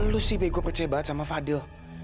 lu sih bego pece banget sama fadil